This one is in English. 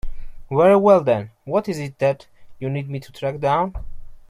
Very well then, what is it that you need me to track down?